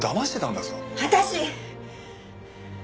私。